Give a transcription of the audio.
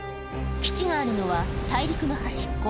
基地があるのは大陸の端っこ